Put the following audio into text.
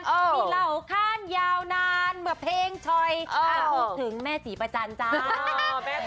มีเหล่าข้ามยาวนานเมื่อเพลงชอยพูดถึงแม่ศรีประจันทร์จ้า